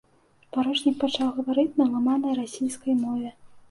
Паручнік пачаў гаварыць на ламанай расійскай мове.